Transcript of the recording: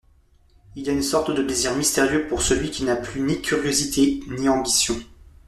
Il y a une sorte de plaisir mystérieux pour celui qui n’a plus ni curiosité ni ambition.